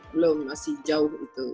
belum masih jauh itu